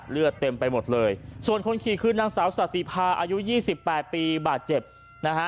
เลือดเต็มไปหมดเลยส่วนคนขี่คือนางสาวสาธิภาอายุยี่สิบแปดปีบาดเจ็บนะฮะ